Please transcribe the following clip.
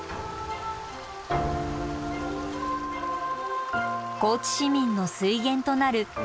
高知市民の水源となる鏡川。